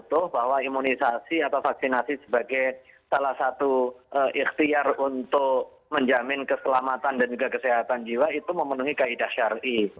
betul bahwa imunisasi atau vaksinasi sebagai salah satu ikhtiar untuk menjamin keselamatan dan juga kesehatan jiwa itu memenuhi kaedah syari